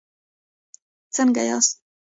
څنګه یاست؟